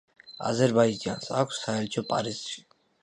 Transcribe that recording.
აზერბაიჯანს აქვს საელჩო პარიზში.